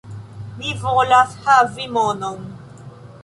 Mi volas havi monon.